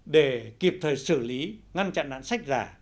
để kịp thời xử lý ngăn chặn nạn sách giả